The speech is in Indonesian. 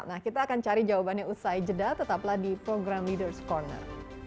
nah kita akan cari jawabannya usai jeda tetaplah di program leaders ⁇ corner